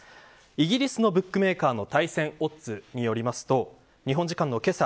イギリスのブックメーカーの対戦オッズによりますと日本時間のけさ